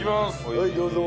はいどうぞ。